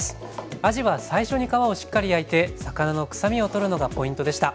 あじは最初に皮をしっかり焼いて魚のくさみを取るのがポイントでした。